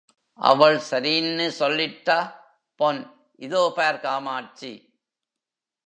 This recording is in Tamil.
அவள் சரீன்னு சொல்லிட்டா...... பொன் இதோ பார் காமாட்சி!